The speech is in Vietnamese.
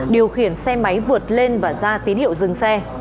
điều khiển xe máy vượt lên và ra tín hiệu dừng xe